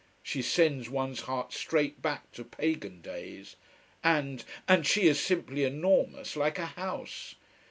She sends one's heart straight back to pagan days. And and she is simply enormous, like a house.